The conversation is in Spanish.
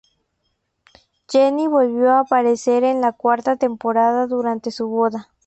Jenny volvió a aparecer en la cuarta temporada durante su boda.